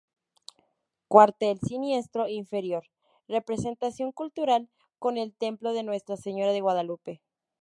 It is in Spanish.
Cuartel siniestro inferior: Representación cultural con el templo de Nuestra Señora de Guadalupe.